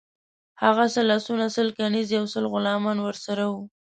هغه سل آسونه، سل کنیزي او سل غلامان ورسره وه.